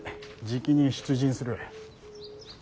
じきに出陣する。